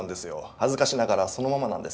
恥ずかしながらそのままなんです。